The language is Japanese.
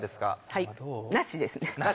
はいなしですね。